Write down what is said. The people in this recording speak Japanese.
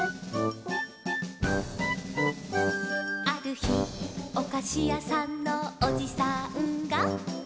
「あるひおかしやさんのおじさんが」